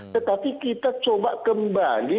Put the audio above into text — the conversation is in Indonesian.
tetapi kita coba kembali